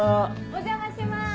お邪魔します。